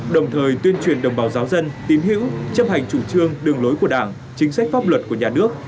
đồng thời tuyên truyền đồng bào giáo dân tín hữu chấp hành chủ trương đường lối của đảng chính sách pháp luật của nhà nước